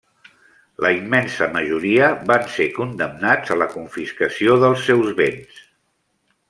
La immensa majoria van ser condemnats a la confiscació dels seus béns.